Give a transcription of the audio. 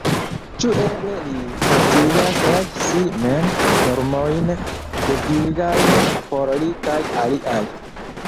Ĉu eble li fontigas el si mem normojn devigajn por li kaj aliaj?